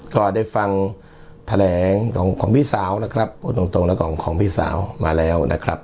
ก็ได้ฟังแถลงของพี่สาวนะครับพูดตรงแล้วของพี่สาวมาแล้วนะครับ